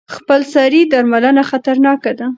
خپلسري درملنه خطرناکه ده.